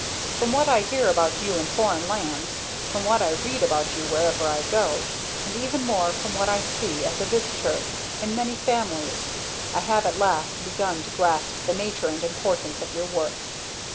"From what I hear about you in foreign lands; from what I read about you wherever I go; and, even more, from what I see, as a visitor, in many families; I have at last begun to grasp the nature and importance of your work.